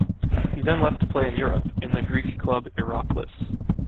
He then left to play in Europe, in the Greek club Iraklis.